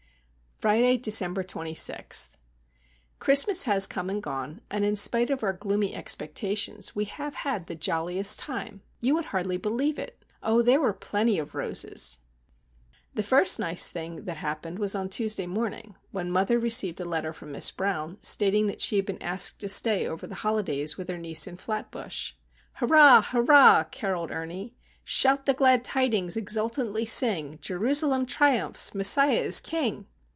Friday, December 26. Christmas has come and gone, and in spite of our gloomy expectations we have had the jolliest time. You would hardly believe it! Oh,—there were plenty of roses! The first nice thing that happened was on Tuesday morning when mother received a letter from Miss Brown, stating that she had been asked to stay over the holidays with her niece in Flatbush. "Hurrah! hurrah!" carolled Ernie: "Shout the glad tidings, exultantly sing, Jerusalem triumphs, Messiah is king!"